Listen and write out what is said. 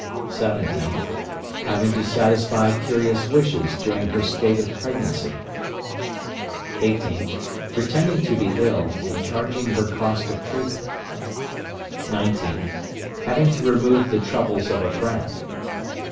17th. Having to satisfy curious wishes during her state of pregnancy. 18th. Pretending to be ill, and charging her cost of treatment. 19th. Having to remove the troubles of a friend.